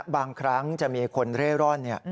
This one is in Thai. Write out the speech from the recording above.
บางครั้งจะมีคนเร่ร่อน